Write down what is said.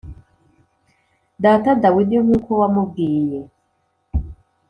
data Dawidi nk’uko wamubwiye